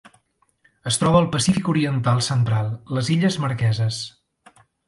Es troba al Pacífic oriental central: les Illes Marqueses.